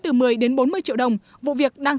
từ một mươi đến bốn mươi triệu đồng vụ việc đang